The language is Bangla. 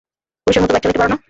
পুরুষের মতো বাইক চালাতে পারো না?